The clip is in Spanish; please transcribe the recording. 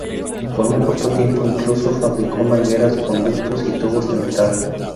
Por un corto tiempo, incluso fabricó mangueras, conductos y tubos de metal.